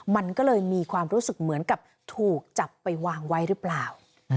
มันก็เลยมีความรู้สึกเหมือนกับถูกจับไปวางไว้หรือเปล่า